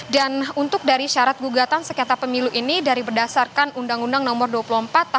dan untuk dari syarat gugatan sekitar pemilu ini dari berdasarkan undang undang nomor dua puluh empat tahun dua ribu tiga tentang mahkamah konstitusi